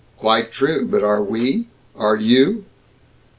"Quite true. But are we? Are you?"